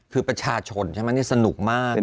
คือประชาชนใช่ไหมนี่สนุกมากเลย